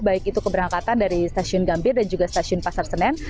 baik itu keberangkatan dari stasiun gambir dan juga stasiun pasar senen